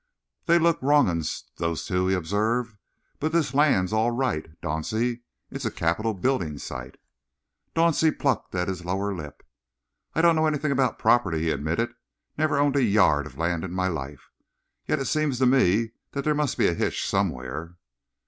"They look wrong 'uns, those two," he observed, "but this land's all right, Dauncey. It's a capital building site." Dauncey plucked at his lower lip. "I don't know anything about property," he admitted. "Never owned a yard of land in my life. Yet it seems to me there must be a hitch somewhere."